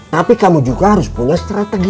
tapi kamu juga harus punya strategi